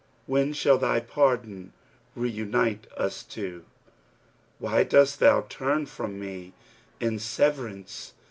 * When shall thy pardon reunite us two? Why dost thou turn from me in severance?